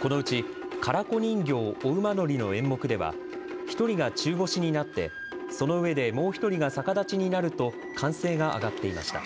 このうち唐子人形お馬乗りの演目では１人が中腰になってその上でもう１人が逆立ちになると歓声が上がっていました。